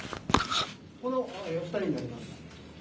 このお二人になります。